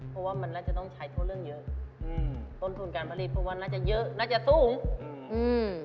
เพราะว่ามันน่าจะต้องใช้ทั่วเรื่องเยอะอืมต้นทุนการผลิตเพราะว่าน่าจะเยอะน่าจะสูงอืมอืม